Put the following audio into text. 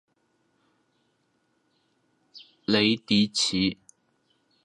雷迪奇。